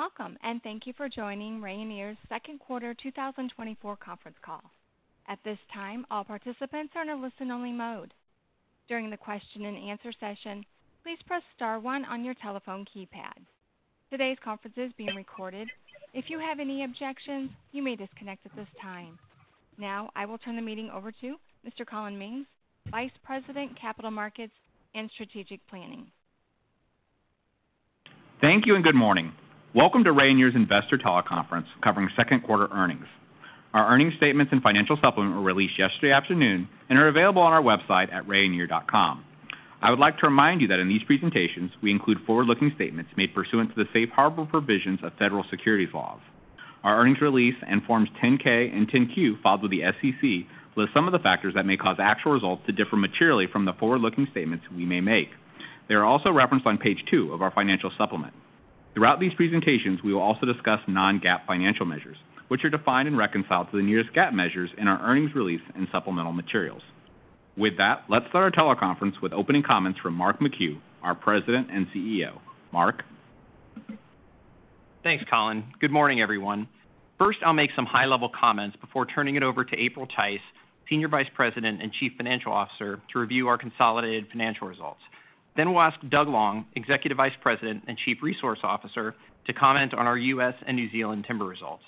Welcome, and thank you for joining Rayonier's Second Quarter 2024 conference call. At this time, all participants are in a listen-only mode. During the question-and-answer session, please press star one on your telephone keypad. Today's conference is being recorded. If you have any objections, you may disconnect at this time. Now, I will turn the meeting over to Mr. Collin Mings, Vice President, Capital Markets and Strategic Planning. Thank you and good morning. Welcome to Rayonier's Investor Teleconference, covering second quarter earnings. Our earnings statements and financial supplement were released yesterday afternoon and are available on our website at rayonier.com. I would like to remind you that in these presentations, we include forward-looking statements made pursuant to the safe harbor provisions of federal securities laws. Our earnings release and forms 10-K and 10-Q, filed with the SEC, list some of the factors that may cause actual results to differ materially from the forward-looking statements we may make. They are also referenced on page two of our financial supplement. Throughout these presentations, we will also discuss non-GAAP financial measures, which are defined and reconciled to the nearest GAAP measures in our earnings release and supplemental materials. With that, let's start our teleconference with opening comments from Mark McHugh, our President and CEO. Mark. Thanks, Collin. Good morning, everyone. First, I'll make some high-level comments before turning it over to April Tice, Senior Vice President and Chief Financial Officer, to review our consolidated financial results. We'll ask Doug Long, Executive Vice President and Chief Resource Officer, to comment on our U.S. and New Zealand timber results.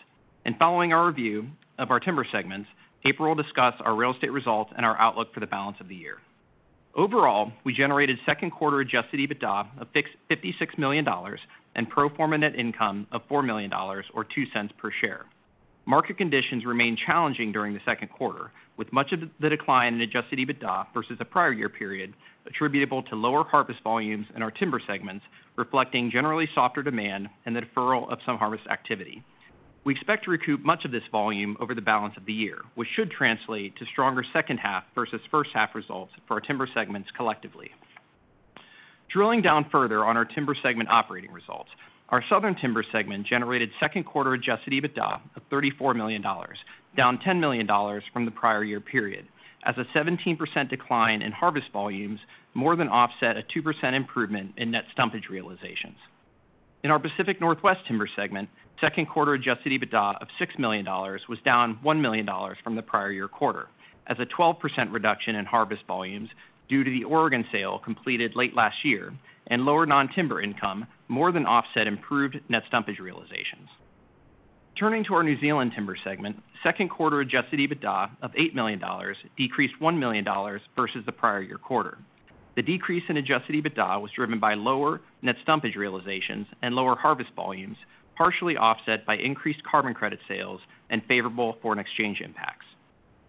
And following our review of our timber segments, April will discuss our real estate results and our outlook for the balance of the year. Overall, we generated second quarter Adjusted EBITDA of $56 million and pro forma net income of $4 million, or $0.02 per share. Market conditions remained challenging during the second quarter, with much of the decline in Adjusted EBITDA versus the prior year period attributable to lower harvest volumes in our timber segments, reflecting generally softer demand and the deferral of some harvest activity. We expect to recoup much of this volume over the balance of the year, which should translate to stronger second half versus first half results for our timber segments collectively. Drilling down further on our timber segment operating results, our southern timber segment generated second quarter adjusted EBITDA of $34 million, down $10 million from the prior year period, as a 17% decline in harvest volumes more than offset a 2% improvement in net stumpage realizations. In our Pacific Northwest timber segment, second quarter adjusted EBITDA of $6 million was down $1 million from the prior year quarter, as a 12% reduction in harvest volumes due to the Oregon sale completed late last year, and lower non-timber income more than offset improved net stumpage realizations. Turning to our New Zealand timber segment, second quarter adjusted EBITDA of $8 million decreased $1 million versus the prior year quarter. The decrease in Adjusted EBITDA was driven by lower net stumpage realizations and lower harvest volumes, partially offset by increased carbon credit sales and favorable foreign exchange impacts.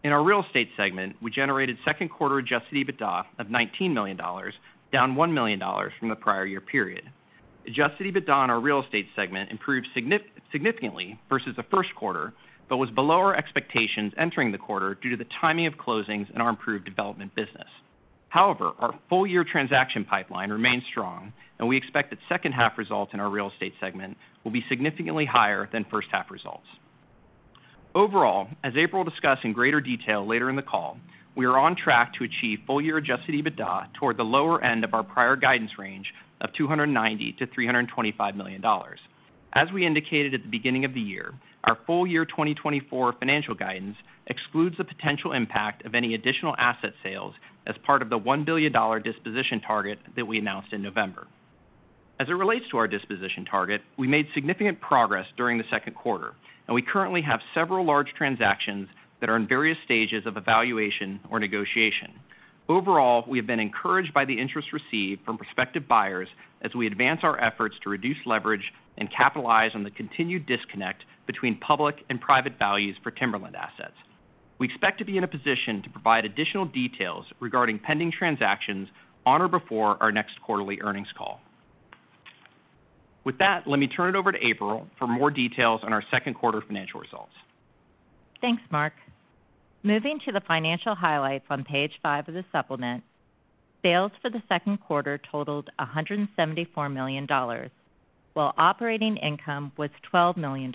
In our real estate segment, we generated second quarter Adjusted EBITDA of $19 million, down $1 million from the prior year period. Adjusted EBITDA in our real estate segment improved significantly versus the first quarter, but was below our expectations entering the quarter due to the timing of closings in our improved development business. However, our full year transaction pipeline remains strong, and we expect that second half results in our real estate segment will be significantly higher than first half results. Overall, as April will discuss in greater detail later in the call, we are on track to achieve full year Adjusted EBITDA toward the lower end of our prior guidance range of $290-$325 million. As we indicated at the beginning of the year, our full year 2024 financial guidance excludes the potential impact of any additional asset sales as part of the $1 billion disposition target that we announced in November. As it relates to our disposition target, we made significant progress during the second quarter, and we currently have several large transactions that are in various stages of evaluation or negotiation. Overall, we have been encouraged by the interest received from prospective buyers as we advance our efforts to reduce leverage and capitalize on the continued disconnect between public and private values for timberland assets. We expect to be in a position to provide additional details regarding pending transactions on or before our next quarterly earnings call. With that, let me turn it over to April for more details on our second quarter financial results. Thanks, Mark. Moving to the financial highlights on page five of the supplement, sales for the second quarter totaled $174 million, while operating income was $12 million,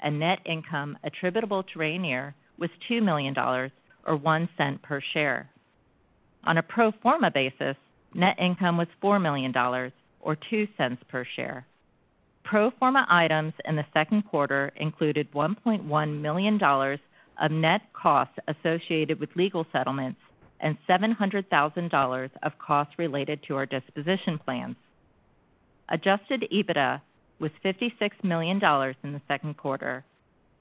and net income attributable to Rayonier was $2 million, or one cent per share. On a pro forma basis, net income was $4 million, or two cents per share. Pro forma items in the second quarter included $1.1 million of net costs associated with legal settlements and $700,000 of costs related to our disposition plans. Adjusted EBITDA was $56 million in the second quarter,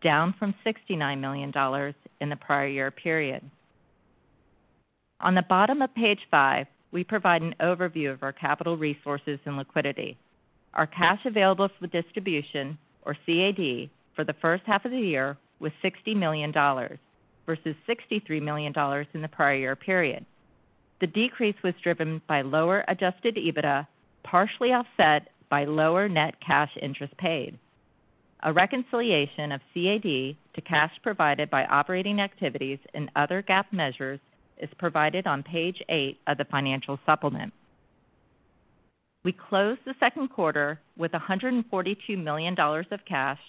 down from $69 million in the prior-year period. On the bottom of page five, we provide an overview of our capital resources and liquidity. Our cash available for distribution, or CAD, for the first half of the year was $60 million versus $63 million in the prior year period. The decrease was driven by lower Adjusted EBITDA, partially offset by lower net cash interest paid. A reconciliation of CAD to cash provided by operating activities and other GAAP measures is provided on page 8 of the financial supplement. We closed the second quarter with $142 million of cash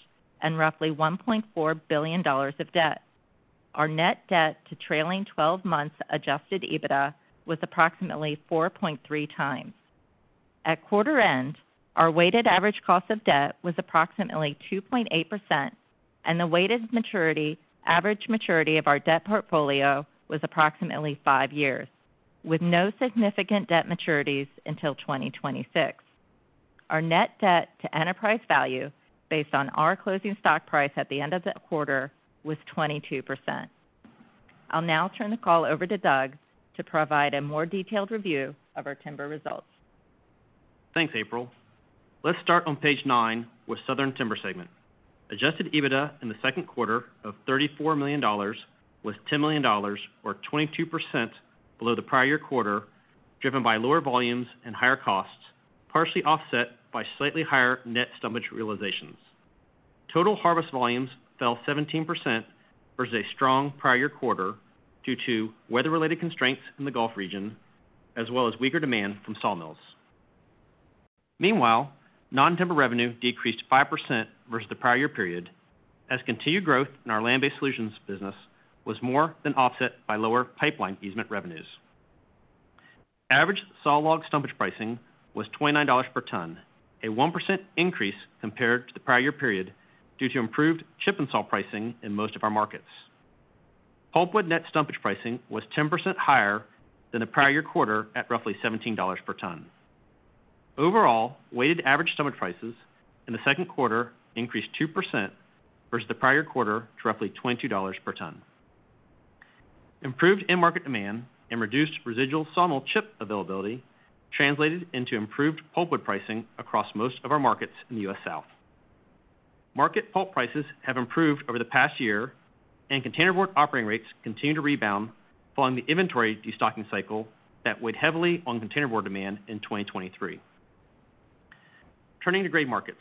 and roughly $1.4 billion of debt. Our net debt to trailing 12 months Adjusted EBITDA was approximately 4.3x. At quarter end, our weighted average cost of debt was approximately 2.8%, and the weighted average maturity of our debt portfolio was approximately 5 years, with no significant debt maturities until 2026. Our net debt to enterprise value, based on our closing stock price at the end of the quarter, was 22%. I'll now turn the call over to Doug to provide a more detailed review of our timber results. Thanks, April. Let's start on page nine with Southern Timber segment. Adjusted EBITDA in the second quarter of $34 million was $10 million, or 22% below the prior year quarter, driven by lower volumes and higher costs, partially offset by slightly higher net stumpage realizations. Total harvest volumes fell 17% versus a strong prior year quarter due to weather-related constraints in the Gulf region, as well as weaker demand from sawmills. Meanwhile, non-timber revenue decreased 5% versus the prior year period, as continued growth in our land-based solutions business was more than offset by lower pipeline easement revenues. Average saw log stumpage pricing was $29 /t, a 1% increase compared to the prior year period due to improved chip and saw pricing in most of our markets. Pulpwood net stumpage pricing was 10% higher than the prior year quarter at roughly $17 /t. Overall, weighted average stumpage prices in the second quarter increased 2% versus the prior year quarter to roughly $22 per ton. Improved in-market demand and reduced residual sawmill chip availability translated into improved pulpwood pricing across most of our markets in the U.S. South. Market pulp prices have improved over the past year, and containerboard operating rates continue to rebound following the inventory destocking cycle that weighed heavily on containerboard demand in 2023. Turning to grade markets,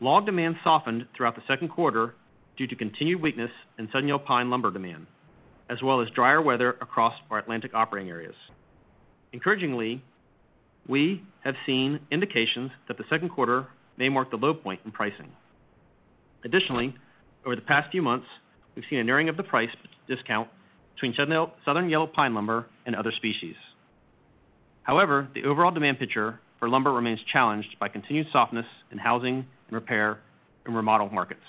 log demand softened throughout the second quarter due to continued weakness in Southern Yellow Pine lumber demand, as well as drier weather across our Atlantic operating areas. Encouragingly, we have seen indications that the second quarter may mark the low point in pricing. Additionally, over the past few months, we've seen a narrowing of the price discount between Southern Yellow Pine lumber and other species. However, the overall demand picture for lumber remains challenged by continued softness in housing and repair and remodel markets.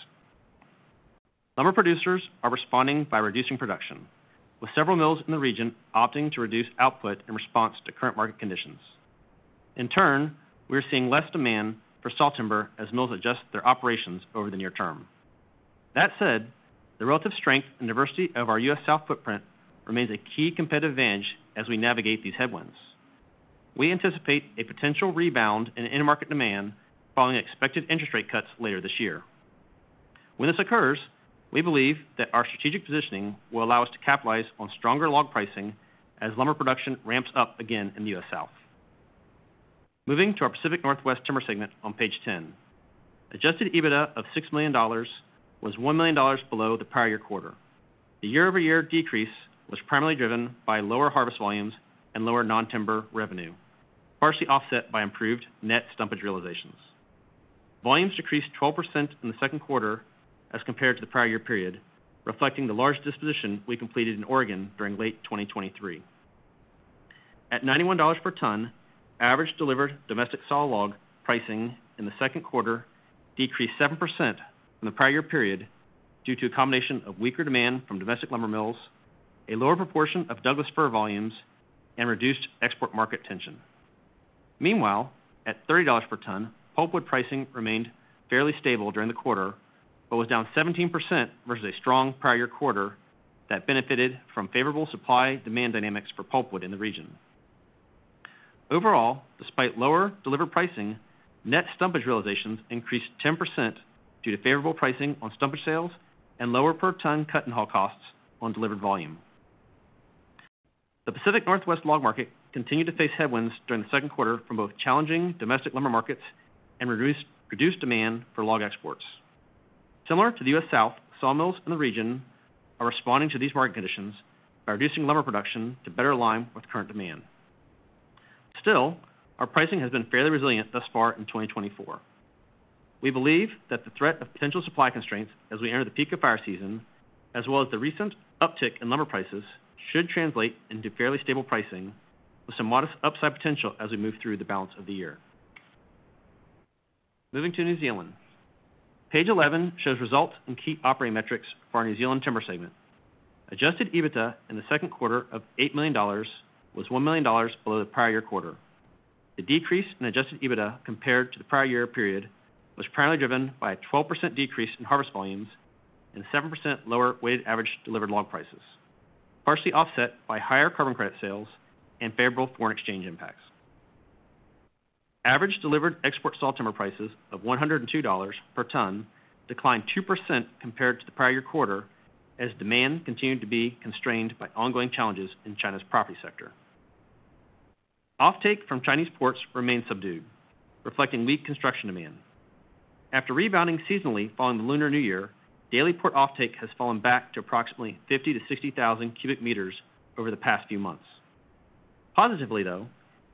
Lumber producers are responding by reducing production, with several mills in the region opting to reduce output in response to current market conditions. In turn, we are seeing less demand for saw timber as mills adjust their operations over the near term. That said, the relative strength and diversity of our U.S. South footprint remains a key competitive advantage as we navigate these headwinds. We anticipate a potential rebound in-market demand following expected interest rate cuts later this year. When this occurs, we believe that our strategic positioning will allow us to capitalize on stronger log pricing as lumber production ramps up again in the U.S. South. Moving to our Pacific Northwest timber segment on page 10, Adjusted EBITDA of $6 million was $1 million below the prior year quarter. The year-over-year decrease was primarily driven by lower harvest volumes and lower non-timber revenue, partially offset by improved net stumpage realizations. Volumes decreased 12% in the second quarter as compared to the prior year period, reflecting the large disposition we completed in Oregon during late 2023. At $91 per ton, average delivered domestic saw log pricing in the second quarter decreased 7% from the prior year period due to a combination of weaker demand from domestic lumber mills, a lower proportion of Douglas fir volumes, and reduced export market tension. Meanwhile, at $30 per ton, pulpwood pricing remained fairly stable during the quarter, but was down 17% versus a strong prior year quarter that benefited from favorable supply-demand dynamics for pulpwood in the region. Overall, despite lower delivered pricing, net stumpage realizations increased 10% due to favorable pricing on stumpage sales and lower per ton cut and haul costs on delivered volume. The Pacific Northwest log market continued to face headwinds during the second quarter from both challenging domestic lumber markets and reduced demand for log exports. Similar to the U.S. South, saw mills in the region are responding to these market conditions by reducing lumber production to better align with current demand. Still, our pricing has been fairly resilient thus far in 2024. We believe that the threat of potential supply constraints as we enter the peak of fire season, as well as the recent uptick in lumber prices, should translate into fairly stable pricing with some modest upside potential as we move through the balance of the year. Moving to New Zealand, page 11 shows results and key operating metrics for our New Zealand timber segment. Adjusted EBITDA in the second quarter of $8 million was $1 million below the prior year quarter. The decrease in adjusted EBITDA compared to the prior year period was primarily driven by a 12% decrease in harvest volumes and 7% lower weighted average delivered log prices, partially offset by higher carbon credit sales and favorable foreign exchange impacts. Average delivered export saw timber prices of $102 per ton declined 2% compared to the prior year quarter as demand continued to be constrained by ongoing challenges in China's property sector. Offtake from Chinese ports remains subdued, reflecting weak construction demand. After rebounding seasonally following the Lunar New Year, daily port offtake has fallen back to approximately 50,000-60,000 cubic meters over the past few months. Positively, though,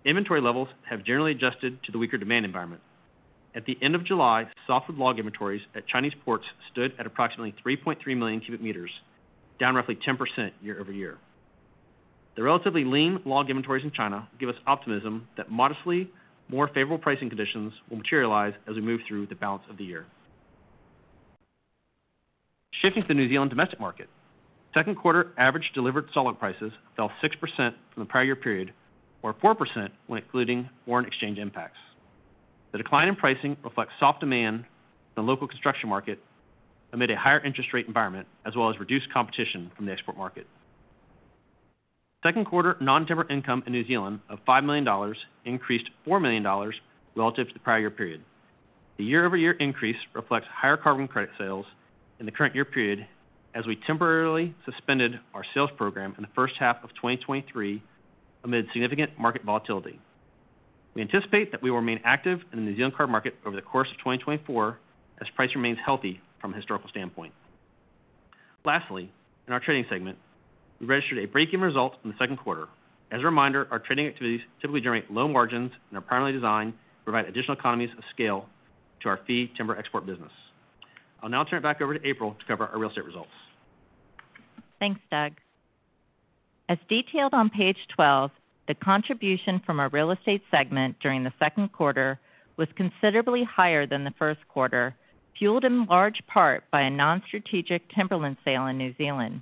inventory levels have generally adjusted to the weaker demand environment. At the end of July, softwood log inventories at Chinese ports stood at approximately 3.3 million cubic meters, down roughly 10% year-over-year. The relatively lean log inventories in China give us optimism that modestly more favorable pricing conditions will materialize as we move through the balance of the year. Shifting to the New Zealand domestic market, second quarter average delivered saw log prices fell 6% from the prior year period, or 4% when excluding foreign exchange impacts. The decline in pricing reflects soft demand in the local construction market amid a higher interest rate environment, as well as reduced competition from the export market. Second quarter non-timber income in New Zealand of $5 million increased $4 million relative to the prior year period. The year-over-year increase reflects higher carbon credit sales in the current year period as we temporarily suspended our sales program in the first half of 2023 amid significant market volatility. We anticipate that we will remain active in the New Zealand carbon market over the course of 2024 as price remains healthy from a historical standpoint. Lastly, in our trading segment, we registered a break-even results in the second quarter. As a reminder, our trading activities typically generate low margins and are primarily designed to provide additional economies of scale to our fee timber export business. I'll now turn it back over to April to cover our real estate results. Thanks, Doug. As detailed on page 12, the contribution from our real estate segment during the second quarter was considerably higher than the first quarter, fueled in large part by a non-strategic timberland sale in New Zealand.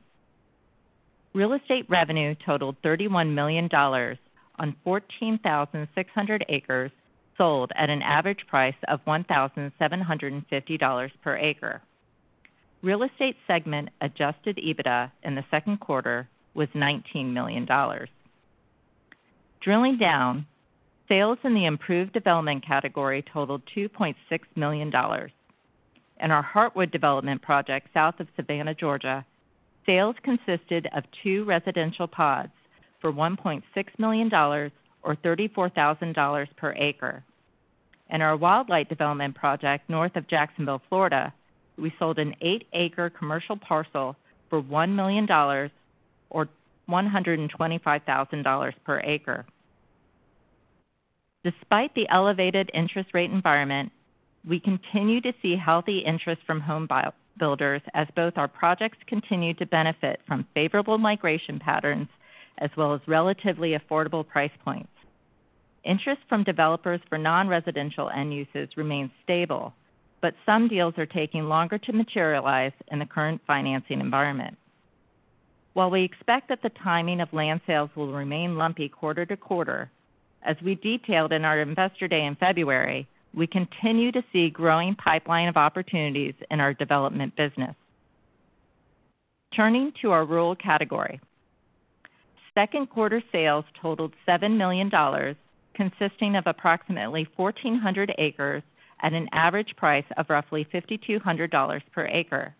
Real estate revenue totaled $31 million on 14,600 acres sold at an average price of $1,750 per acre. Real estate segment Adjusted EBITDA in the second quarter was $19 million. Drilling down, sales in the improved development category totaled $2.6 million, and our Heartwood development project south of Savannah, Georgia, sales consisted of two residential pods for $1.6 million, or $34,000 per acre. In our Wildlight development project north of Jacksonville, Florida, we sold an eight-acre commercial parcel for $1 million, or $125,000 per acre. Despite the elevated interest rate environment, we continue to see healthy interest from home builders as both our projects continue to benefit from favorable migration patterns as well as relatively affordable price points. Interest from developers for non-residential end uses remains stable, but some deals are taking longer to materialize in the current financing environment. While we expect that the timing of land sales will remain lumpy quarter to quarter, as we detailed in our investor day in February, we continue to see a growing pipeline of opportunities in our development business. Turning to our rural category, second quarter sales totaled $7 million, consisting of approximately 1,400 acres at an average price of roughly $5,200 per acre.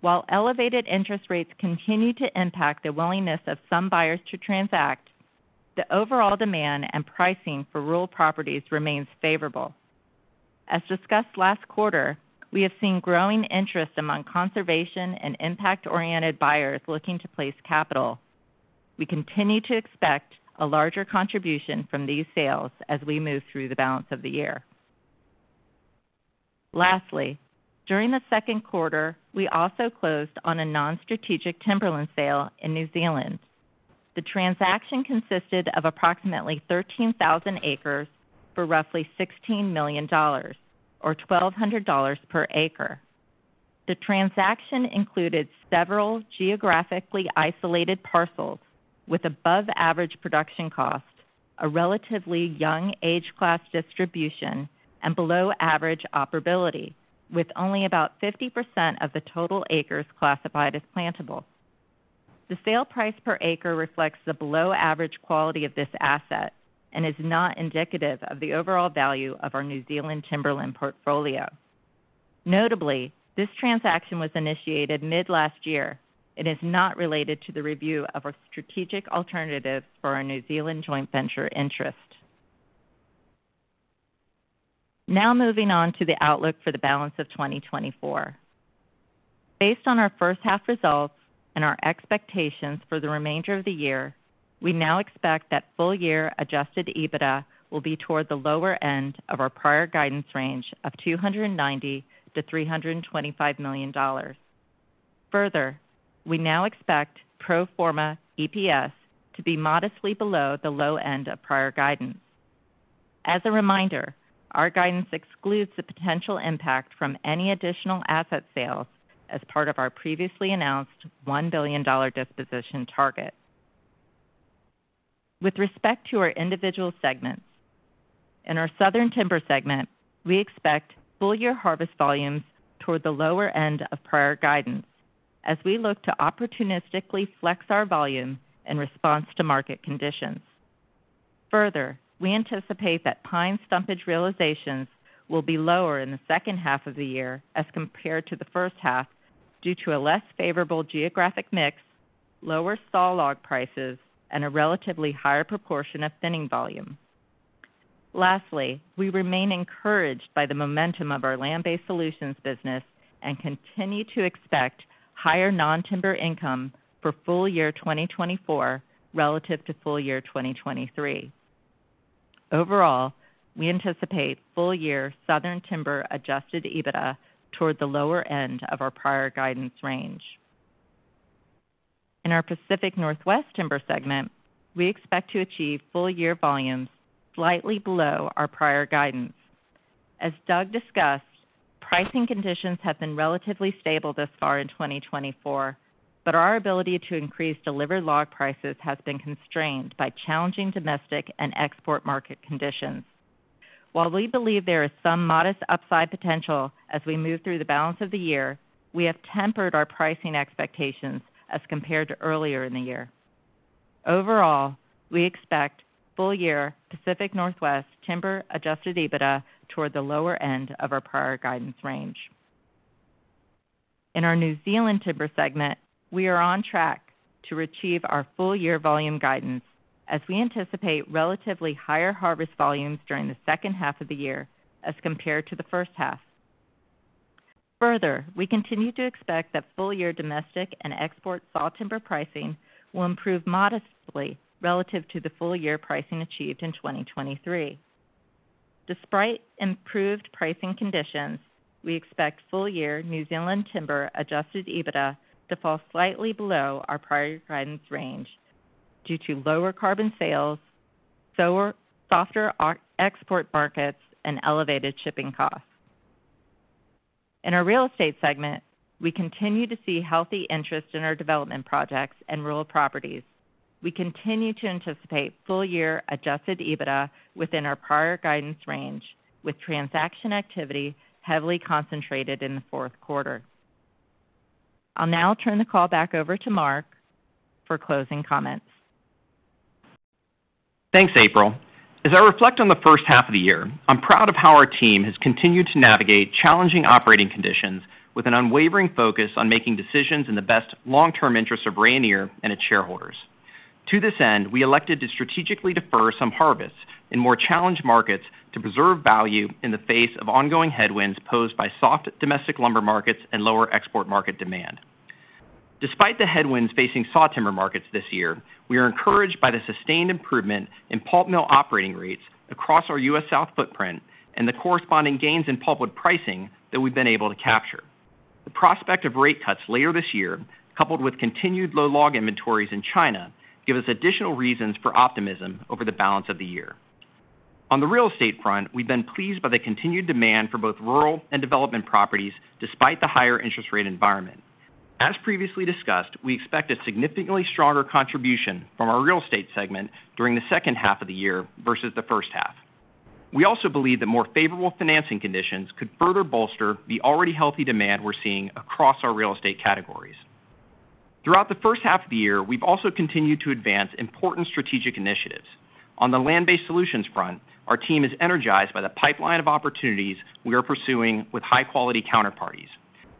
While elevated interest rates continue to impact the willingness of some buyers to transact, the overall demand and pricing for rural properties remains favorable. As discussed last quarter, we have seen growing interest among conservation and impact-oriented buyers looking to place capital. We continue to expect a larger contribution from these sales as we move through the balance of the year. Lastly, during the second quarter, we also closed on a non-strategic timberland sale in New Zealand. The transaction consisted of approximately 13,000 acres for roughly $16 million, or $1,200 per acre. The transaction included several geographically isolated parcels with above-average production costs, a relatively young age-class distribution, and below-average operability, with only about 50% of the total acres classified as plantable. The sale price per acre reflects the below-average quality of this asset and is not indicative of the overall value of our New Zealand timberland portfolio. Notably, this transaction was initiated mid-last year and is not related to the review of our strategic alternatives for our New Zealand joint venture interest. Now moving on to the outlook for the balance of 2024. Based on our first-half results and our expectations for the remainder of the year, we now expect that full-year Adjusted EBITDA will be toward the lower end of our prior guidance range of $290 million-$325 million. Further, we now expect pro forma EPS to be modestly below the low end of prior guidance. As a reminder, our guidance excludes the potential impact from any additional asset sales as part of our previously announced $1 billion disposition target. With respect to our individual segments, in our southern timber segment, we expect full-year harvest volumes toward the lower end of prior guidance as we look to opportunistically flex our volume in response to market conditions. Further, we anticipate that pine stumpage realizations will be lower in the second half of the year as compared to the first half due to a less favorable geographic mix, lower saw log prices, and a relatively higher proportion of thinning volume. Lastly, we remain encouraged by the momentum of our land-based solutions business and continue to expect higher non-timber income for full-year 2024 relative to full-year 2023. Overall, we anticipate full-year Southern Timber adjusted EBITDA toward the lower end of our prior guidance range. In our Pacific Northwest Timber segment, we expect to achieve full-year volumes slightly below our prior guidance. As Doug discussed, pricing conditions have been relatively stable thus far in 2024, but our ability to increase delivered log prices has been constrained by challenging domestic and export market conditions. While we believe there is some modest upside potential as we move through the balance of the year, we have tempered our pricing expectations as compared to earlier in the year. Overall, we expect full-year Pacific Northwest timber Adjusted EBITDA toward the lower end of our prior guidance range. In our New Zealand timber segment, we are on track to achieve our full-year volume guidance as we anticipate relatively higher harvest volumes during the second half of the year as compared to the first half. Further, we continue to expect that full-year domestic and export saw timber pricing will improve modestly relative to the full-year pricing achieved in 2023. Despite improved pricing conditions, we expect full-year New Zealand timber Adjusted EBITDA to fall slightly below our prior guidance range due to lower carbon sales, softer export markets, and elevated shipping costs. In our real estate segment, we continue to see healthy interest in our development projects and rural properties. We continue to anticipate full-year Adjusted EBITDA within our prior guidance range, with transaction activity heavily concentrated in the fourth quarter. I'll now turn the call back over to Mark for closing comments. Thanks, April. As I reflect on the first half of the year, I'm proud of how our team has continued to navigate challenging operating conditions with an unwavering focus on making decisions in the best long-term interests of Rayonier and its shareholders. To this end, we elected to strategically defer some harvests in more challenged markets to preserve value in the face of ongoing headwinds posed by soft domestic lumber markets and lower export market demand. Despite the headwinds facing saw timber markets this year, we are encouraged by the sustained improvement in pulp mill operating rates across our U.S. South footprint and the corresponding gains in pulpwood pricing that we've been able to capture. The prospect of rate cuts later this year, coupled with continued low log inventories in China, gives us additional reasons for optimism over the balance of the year. On the real estate front, we've been pleased by the continued demand for both rural and development properties despite the higher interest rate environment. As previously discussed, we expect a significantly stronger contribution from our real estate segment during the second half of the year versus the first half. We also believe that more favorable financing conditions could further bolster the already healthy demand we're seeing across our real estate categories. Throughout the first half of the year, we've also continued to advance important strategic initiatives. On the land-based solutions front, our team is energized by the pipeline of opportunities we are pursuing with high-quality counterparties.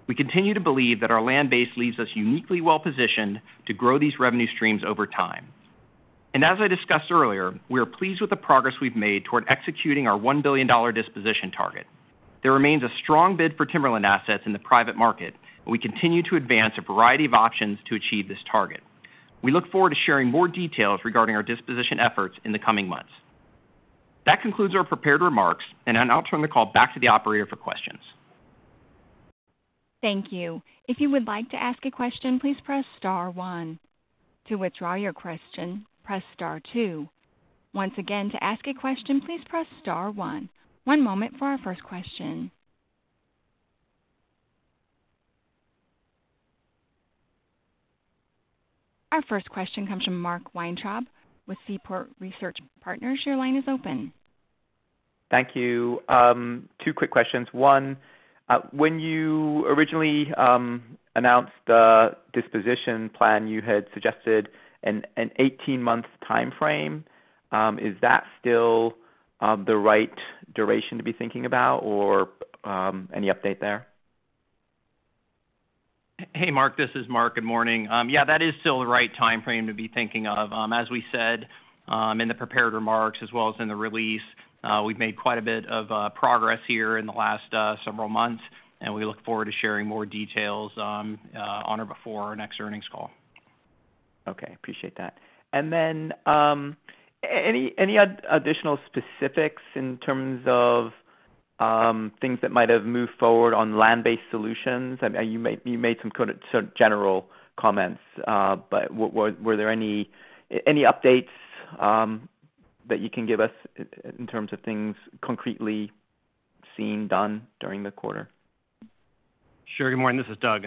We continue to believe that our land base leaves us uniquely well-positioned to grow these revenue streams over time. And as I discussed earlier, we are pleased with the progress we've made toward executing our $1 billion disposition target. There remains a strong bid for timberland assets in the private market, and we continue to advance a variety of options to achieve this target. We look forward to sharing more details regarding our disposition efforts in the coming months. That concludes our prepared remarks, and I'll turn the call back to the operator for questions. Thank you. If you would like to ask a question, please press star one. To withdraw your question, press star two. Once again, to ask a question, please press star one. One moment for our first question. Our first question comes from Mark Weintraub with Seaport Research Partners. Your line is open. Thank you. Two quick questions. One, when you originally announced the disposition plan, you had suggested an 18-month timeframe. Is that still the right duration to be thinking about, or any update there? Hey, Mark. This is Mark. Good morning. Yeah, that is still the right timeframe to be thinking of. As we said in the prepared remarks as well as in the release, we've made quite a bit of progress here in the last several months, and we look forward to sharing more details on or before our next earnings call. Okay. Appreciate that. And then any additional specifics in terms of things that might have moved forward on land-based solutions? You made some sort of general comments, but were there any updates that you can give us in terms of things concretely seen done during the quarter? Sure. Good morning. This is Doug.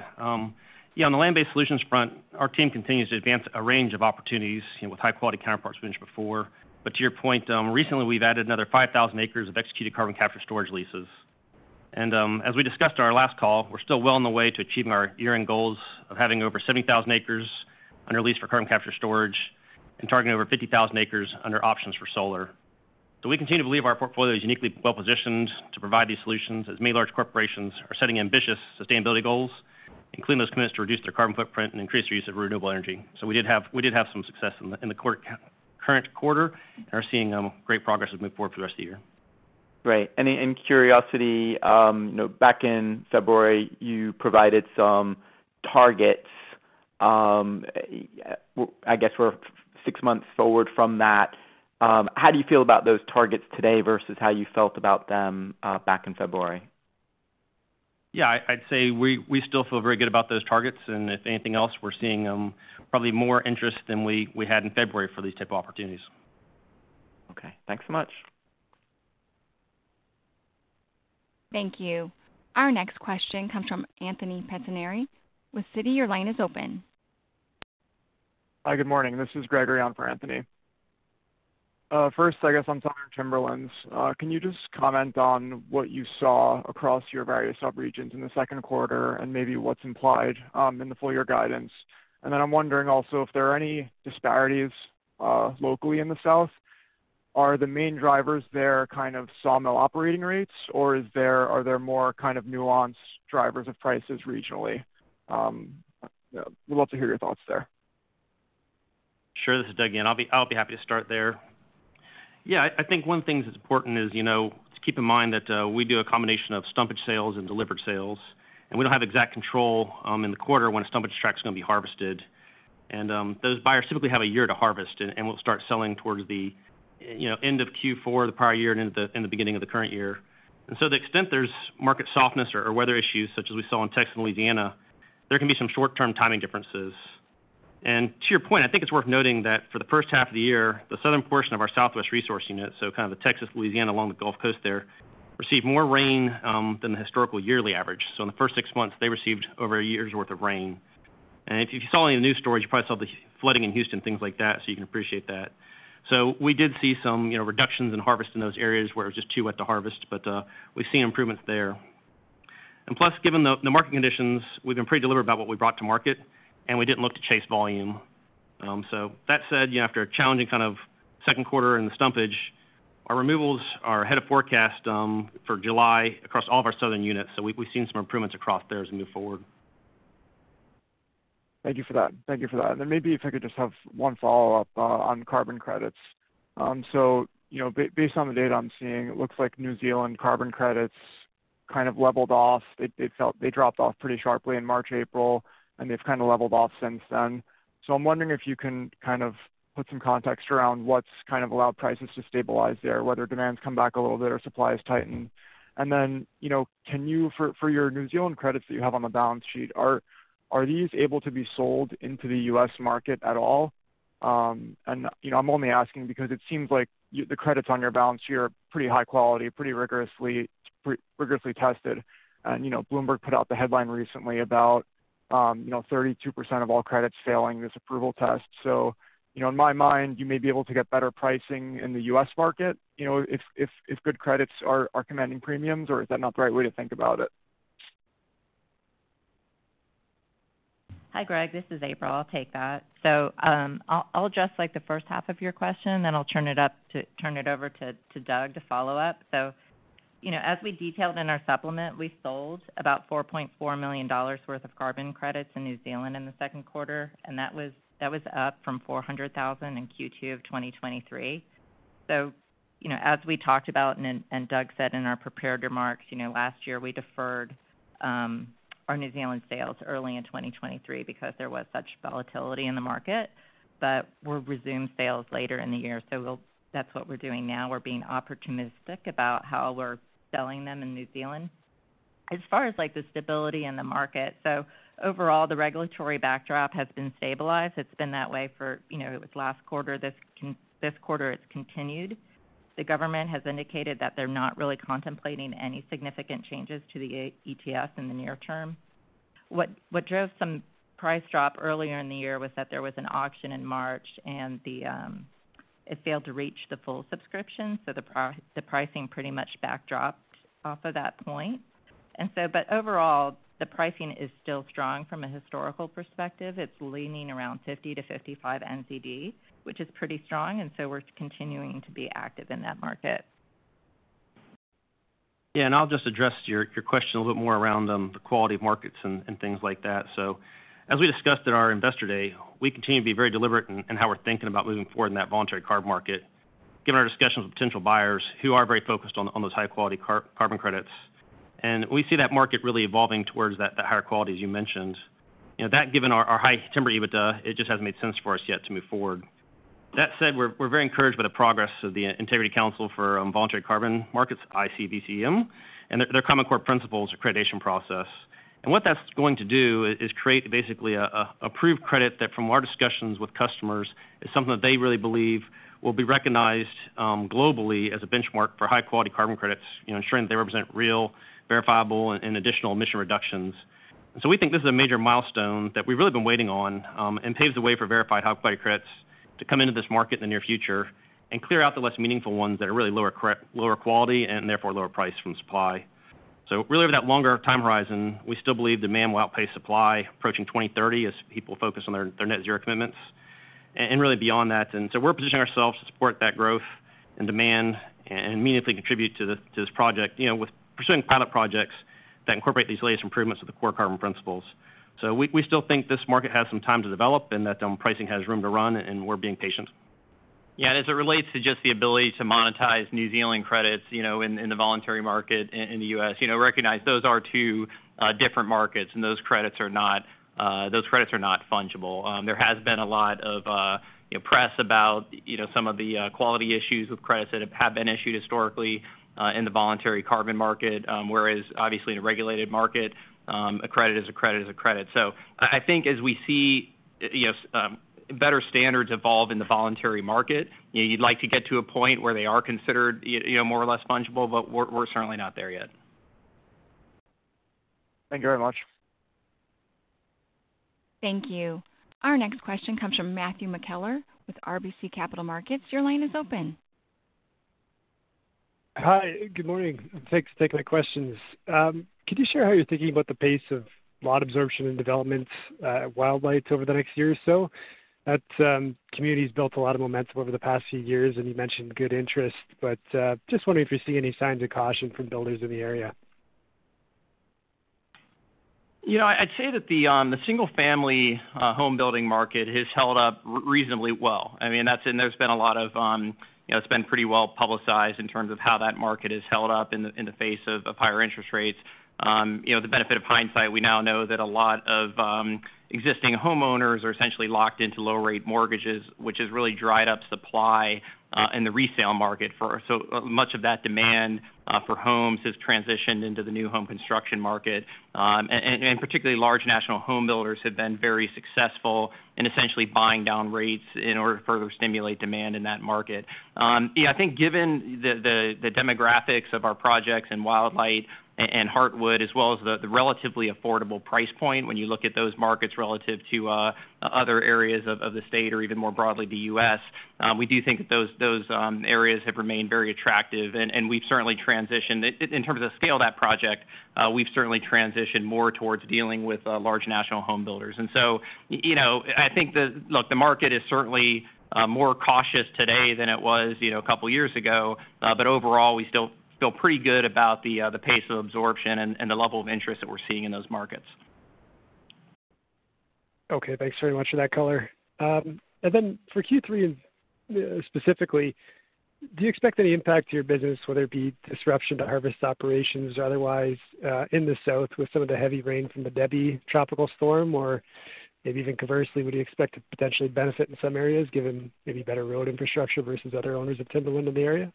Yeah, on the land-based solutions front, our team continues to advance a range of opportunities with high-quality counterparts we mentioned before. But to your point, recently we've added another 5,000 acres of executed carbon capture and storage leases. And as we discussed on our last call, we're still well on the way to achieving our year-end goals of having over 70,000 acres under lease for carbon capture and storage and targeting over 50,000 acres under options for solar. So we continue to believe our portfolio is uniquely well-positioned to provide these solutions as many large corporations are setting ambitious sustainability goals, including those committed to reduce their carbon footprint and increase their use of renewable energy. So we did have some success in the current quarter and are seeing great progress as we move forward for the rest of the year. Great. Out of curiosity, back in February, you provided some targets, I guess, for six months forward from that. How do you feel about those targets today versus how you felt about them back in February? Yeah, I'd say we still feel very good about those targets. If anything else, we're seeing probably more interest than we had in February for these types of opportunities. Okay. Thanks so much. Thank you. Our next question comes from Anthony Pettinari with Citi. Your line is open. Hi, good morning. This is Gregory on for Anthony. First, I guess on timberlands, can you just comment on what you saw across your various subregions in the second quarter and maybe what's implied in the full-year guidance? And then I'm wondering also if there are any disparities locally in the South. Are the main drivers there kind of saw mill operating rates, or are there more kind of nuanced drivers of prices regionally? We'd love to hear your thoughts there. Sure. This is Doug again. I'll be happy to start there. Yeah, I think one of the things that's important is to keep in mind that we do a combination of stumpage sales and delivered sales, and we don't have exact control in the quarter when a stumpage tract's going to be harvested. And those buyers typically have a year to harvest, and we'll start selling towards the end of Q4 the prior year and into the beginning of the current year. And so to the extent there's market softness or weather issues, such as we saw in Texas and Louisiana, there can be some short-term timing differences. To your point, I think it's worth noting that for the first half of the year, the southern portion of our southwest resource unit, so kind of the Texas and Louisiana along the Gulf Coast there, received more rain than the historical yearly average. In the first six months, they received over a year's worth of rain. If you saw any of the news reports, you probably saw the flooding in Houston, things like that, so you can appreciate that. We did see some reductions in harvest in those areas where it was just too wet to harvest, but we've seen improvements there. Plus, given the market conditions, we've been pretty deliberate about what we brought to market, and we didn't look to chase volume. So that said, after a challenging kind of second quarter in the stumpage, our removals are ahead of forecast for July across all of our southern units. So we've seen some improvements across there as we move forward. Thank you for that. Thank you for that. And maybe if I could just have one follow-up on carbon credits. So based on the data I'm seeing, it looks like New Zealand carbon credits kind of leveled off. They dropped off pretty sharply in March, April, and they've kind of leveled off since then. So I'm wondering if you can kind of put some context around what's kind of allowed prices to stabilize there, whether demands come back a little bit or supplies tighten. And then can you, for your New Zealand credits that you have on the balance sheet, are these able to be sold into the U.S. market at all? And I'm only asking because it seems like the credits on your balance sheet are pretty high quality, pretty rigorously tested. And Bloomberg put out the headline recently about 32% of all credits failing this approval test. So in my mind, you may be able to get better pricing in the U.S. market if good credits are commanding premiums, or is that not the right way to think about it? Hi, Greg. This is April. I'll take that. I'll address the first half of your question, and then I'll turn it over to Doug to follow up. As we detailed in our supplement, we sold about $4.4 million worth of carbon credits in New Zealand in the second quarter, and that was up from $400,000 in Q2 of 2023. As we talked about and Doug said in our prepared remarks, last year we deferred our New Zealand sales early in 2023 because there was such volatility in the market, but we'll resume sales later in the year. That's what we're doing now. We're being opportunistic about how we're selling them in New Zealand. As far as the stability in the market, overall, the regulatory backdrop has been stabilized. It's been that way for this last quarter. This quarter, it's continued. The government has indicated that they're not really contemplating any significant changes to the ETS in the near term. What drove some price drop earlier in the year was that there was an auction in March, and it failed to reach the full subscription, so the pricing pretty much backdropped off of that point. But overall, the pricing is still strong from a historical perspective. It's leaning around 50-55 NZD, which is pretty strong, and so we're continuing to be active in that market. Yeah. And I'll just address your question a little bit more around the quality of markets and things like that. So as we discussed at our investor day, we continue to be very deliberate in how we're thinking about moving forward in that voluntary carbon market, given our discussions with potential buyers who are very focused on those high-quality carbon credits. And we see that market really evolving towards that higher quality, as you mentioned. That given our high timber EBITDA, it just hasn't made sense for us yet to move forward. That said, we're very encouraged by the progress of the Integrity Council for Voluntary Carbon Markets, ICVCM, and their Core Carbon Principles Accreditation process. And what that's going to do is create basically a proved credit that, from our discussions with customers, is something that they really believe will be recognized globally as a benchmark for high-quality carbon credits, ensuring that they represent real, verifiable, and additional emission reductions. And so we think this is a major milestone that we've really been waiting on and paves the way for verified high-quality credits to come into this market in the near future and clear out the less meaningful ones that are really lower quality and therefore lower price from supply. So really, over that longer time horizon, we still believe demand will outpace supply approaching 2030 as people focus on their net zero commitments and really beyond that. And so we're positioning ourselves to support that growth and demand and immediately contribute to this project with pursuing pilot projects that incorporate these latest improvements of the Core Carbon Principles. So we still think this market has some time to develop and that pricing has room to run, and we're being patient. Yeah. As it relates to just the ability to monetize New Zealand credits in the voluntary market in the U.S., recognize those are two different markets, and those credits are not fungible. There has been a lot of press about some of the quality issues with credits that have been issued historically in the voluntary carbon market, whereas obviously in a regulated market, a credit is a credit is a credit. So I think as we see better standards evolve in the voluntary market, you'd like to get to a point where they are considered more or less fungible, but we're certainly not there yet. Thank you very much. Thank you. Our next question comes from Matthew McKellar with RBC Capital Markets. Your line is open. Hi. Good morning. Thanks for taking my questions. Could you share how you're thinking about the pace of lot absorption and development at Wildlight over the next year or so? That community has built a lot of momentum over the past few years, and you mentioned good interest, but just wondering if you're seeing any signs of caution from builders in the area. I'd say that the single-family home building market has held up reasonably well. I mean, there's been a lot of it; it's been pretty well publicized in terms of how that market has held up in the face of higher interest rates. The benefit of hindsight, we now know that a lot of existing homeowners are essentially locked into low-rate mortgages, which has really dried up supply in the resale market for us. So much of that demand for homes has transitioned into the new home construction market, and particularly large national home builders have been very successful in essentially buying down rates in order to further stimulate demand in that market. Yeah, I think given the demographics of our projects and Wildlight and Heartwood, as well as the relatively affordable price point when you look at those markets relative to other areas of the state or even more broadly the U.S., we do think that those areas have remained very attractive. And we've certainly transitioned in terms of the scale of that project, we've certainly transitioned more towards dealing with large national home builders. And so I think, look, the market is certainly more cautious today than it was a couple of years ago, but overall, we still feel pretty good about the pace of absorption and the level of interest that we're seeing in those markets. Okay. Thanks very much for that, Collin. And then for Q3 specifically, do you expect any impact to your business, whether it be disruption to harvest operations or otherwise in the south with some of the heavy rain from the Debby Tropical Storm, or maybe even conversely, would you expect to potentially benefit in some areas given maybe better road infrastructure versus other owners of timberland in the area?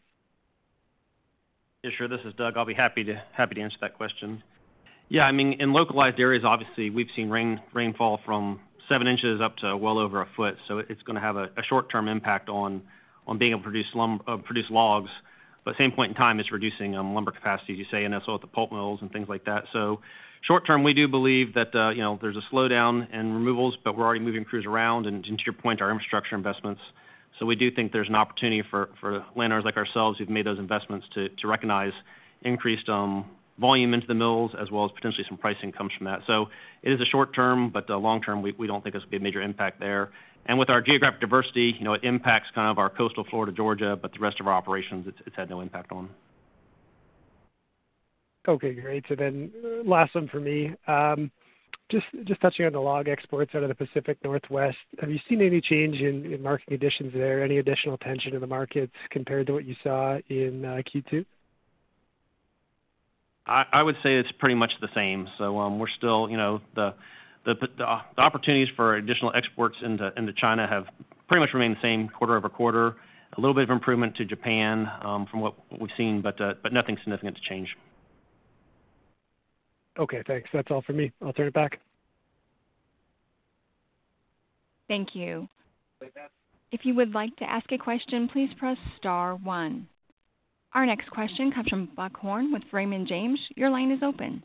Yeah, sure. This is Doug. I'll be happy to answer that question. Yeah. I mean, in localized areas, obviously, we've seen rainfall from seven inches up to well over a foot. So it's going to have a short-term impact on being able to produce logs. But at the same point in time, it's reducing lumber capacity, as you say, and also at the pulp mills and things like that. So short term, we do believe that there's a slowdown in removals, but we're already moving crews around. And to your point, our infrastructure investments. So we do think there's an opportunity for landowners like ourselves who've made those investments to recognize increased volume into the mills as well as potentially some pricing comes from that. So it is a short term, but long term, we don't think it's going to be a major impact there. With our geographic diversity, it impacts kind of our coastal Florida, Georgia, but the rest of our operations, it's had no impact on. Okay. Great. So then last one for me. Just touching on the log exports out of the Pacific Northwest, have you seen any change in market conditions there? Any additional tension in the markets compared to what you saw in Q2? I would say it's pretty much the same. So we're still the opportunities for additional exports into China have pretty much remained the same quarter-over-quarter. A little bit of improvement to Japan from what we've seen, but nothing significant to change. Okay. Thanks. That's all for me. I'll turn it back. Thank you. If you would like to ask a question, please press star one. Our next question comes from Buck Horne with Raymond James. Your line is open.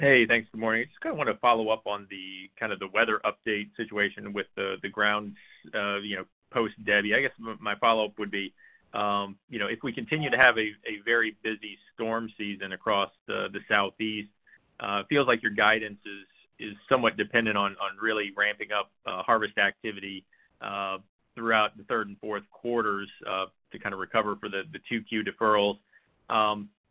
Hey, thanks. Good morning. I just kind of want to follow up on the kind of the weather update situation with the ground post-Debby. I guess my follow-up would be if we continue to have a very busy storm season across the southeast, it feels like your guidance is somewhat dependent on really ramping up harvest activity throughout the third and fourth quarters to kind of recover for the 2Q deferrals.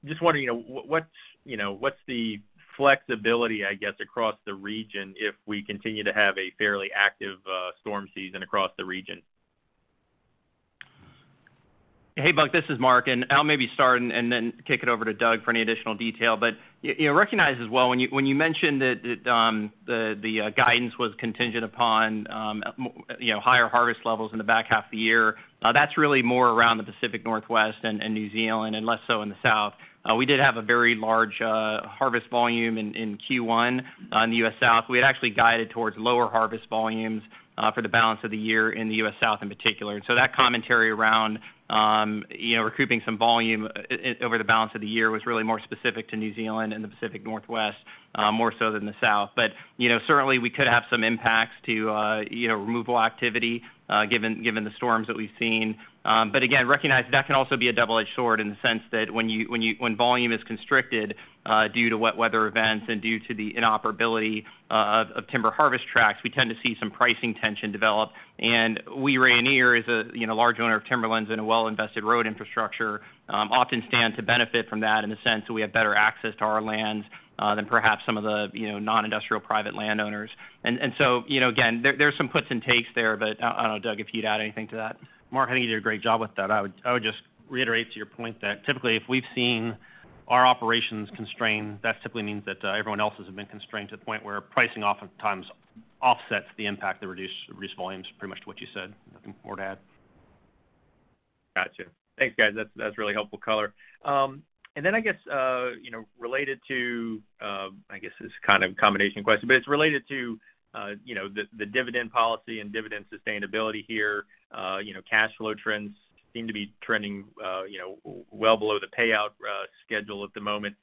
Just wondering what's the flexibility, I guess, across the region if we continue to have a fairly active storm season across the region? Hey, Buck, this is Mark. I'll maybe start and then kick it over to Doug for any additional detail. But recognize as well, when you mentioned that the guidance was contingent upon higher harvest levels in the back half of the year, that's really more around the Pacific Northwest and New Zealand and less so in the South. We did have a very large harvest volume in Q1 in the U.S. South. We had actually guided towards lower harvest volumes for the balance of the year in the U.S. South in particular. So that commentary around recouping some volume over the balance of the year was really more specific to New Zealand and the Pacific Northwest, more so than the South. But certainly, we could have some impacts to removal activity given the storms that we've seen. But again, recognize that can also be a double-edged sword in the sense that when volume is constricted due to wet weather events and due to the inoperability of timber harvest tracts, we tend to see some pricing tension develop. And we Rayonier here as a large owner of timberlands and a well-invested road infrastructure often stand to benefit from that in the sense that we have better access to our lands than perhaps some of the non-industrial private landowners. And so again, there's some puts and takes there, but I don't know, Doug, if you'd add anything to that. Mark, I think you did a great job with that. I would just reiterate to your point that typically, if we've seen our operations constrained, that typically means that everyone else has been constrained to the point where pricing oftentimes offsets the impact to reduce volumes, pretty much to what you said. Nothing more to add. Gotcha. Thanks, guys. That's really helpful, Collin. And then I guess related to, I guess this is kind of a combination question, but it's related to the dividend policy and dividend sustainability here. Cash flow trends seem to be trending well below the payout schedule at the moment.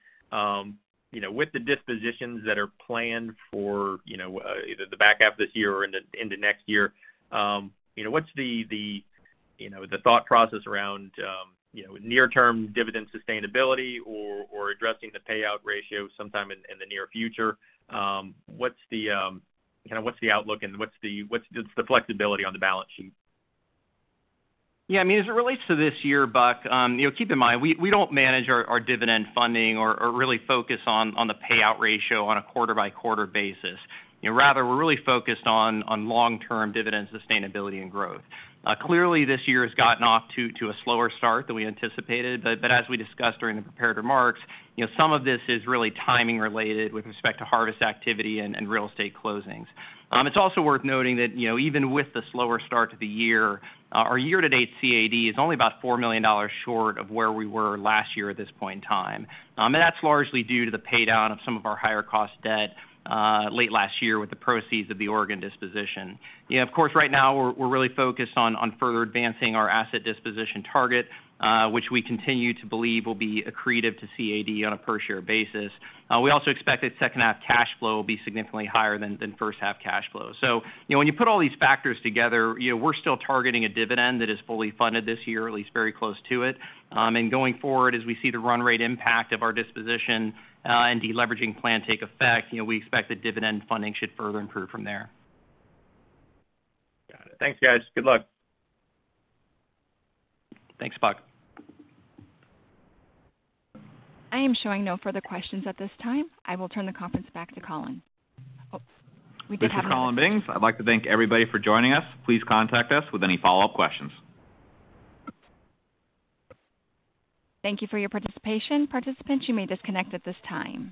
With the dispositions that are planned for either the back half of this year or into next year, what's the thought process around near-term dividend sustainability or addressing the payout ratio sometime in the near future? What's the outlook and what's the flexibility on the balance sheet? Yeah. I mean, as it relates to this year, Buck, keep in mind, we don't manage our dividend funding or really focus on the payout ratio on a quarter-by-quarter basis. Rather, we're really focused on long-term dividend sustainability and growth. Clearly, this year has gotten off to a slower start than we anticipated. But as we discussed during the prepared remarks, some of this is really timing related with respect to harvest activity and real estate closings. It's also worth noting that even with the slower start to the year, our year-to-date CAD is only about $4 million short of where we were last year at this point in time. And that's largely due to the paydown of some of our higher-cost debt late last year with the proceeds of the Oregon disposition. Of course, right now, we're really focused on further advancing our asset disposition target, which we continue to believe will be accretive to CAD on a per-share basis. We also expect that second-half cash flow will be significantly higher than first-half cash flow. So when you put all these factors together, we're still targeting a dividend that is fully funded this year, at least very close to it. And going forward, as we see the run rate impact of our disposition and the leveraging plan take effect, we expect that dividend funding should further improve from there. Got it. Thanks, guys. Good luck. Thanks, Buck. I am showing no further questions at this time. I will turn the conference back to Collin. Oh, we did have a. This is Collin Mings. I'd like to thank everybody for joining us. Please contact us with any follow-up questions. Thank you for your participation. Participants, you may disconnect at this time.